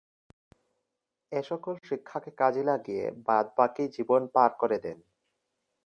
এ সকল শিক্ষাকে কাজে লাগিয়ে বাদবাকি জীবন পার করে দেন।